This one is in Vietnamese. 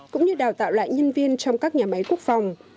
cũng như đào tạo lại nhân viên trong các nhà máy quốc phòng